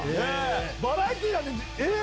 バラエティーなんてえっ？